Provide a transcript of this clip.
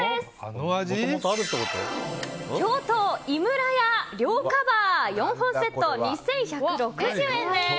京都、井村屋、涼菓バー４本セット２１６０円です。